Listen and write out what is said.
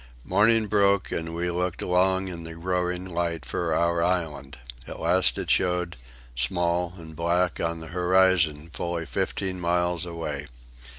Morning broke, and we looked long in the growing light for our island. At last it showed, small and black, on the horizon, fully fifteen miles away.